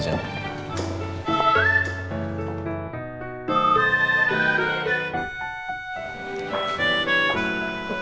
selamat siang pak